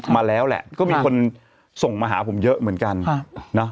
มาแล้วแหละก็มีคนส่งมาหาผมเยอะเหมือนกันนะ